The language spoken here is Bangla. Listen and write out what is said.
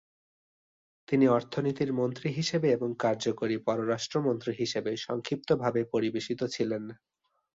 তিনি অর্থনীতির মন্ত্রী হিসেবে এবং কার্যকরী পররাষ্ট্র মন্ত্রী হিসাবে সংক্ষিপ্তভাবে পরিবেশিত ছিলেন।